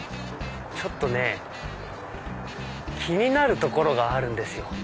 ちょっとね気になる所があるんですよ。